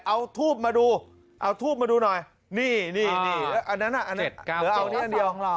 เอาทูบมาดูเอาทูบมาดูหน่อยนี่นี่นี่อันนั้นอันนั้นเหลือเอานี่อันเดียว